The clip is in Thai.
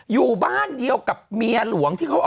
อยู่บ้านเดียวกับเมียหลวง